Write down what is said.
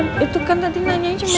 luin kurut atau invincible